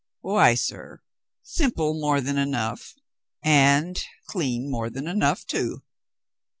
"Why, sir, simple more than enough — and clean more than enough, too."